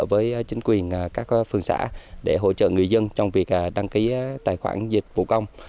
với chính quyền các phương xã để hỗ trợ người dân trong việc đăng ký tài khoản dịch vụ công